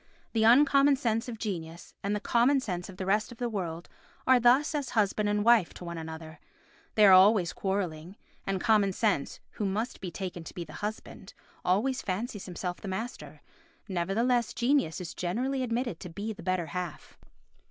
The uncommon sense of genius and the common sense of the rest of the world are thus as husband and wife to one another; they are always quarrelling, and common sense, who must be taken to be the husband, always fancies himself the master—nevertheless genius is generally admitted to be the better half.